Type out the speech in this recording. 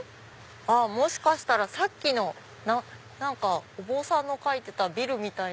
もしかしたらさっきのお坊さんが描いてたビルのとこ